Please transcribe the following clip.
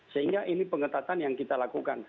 sehingga ini pengetatan yang kita lakukan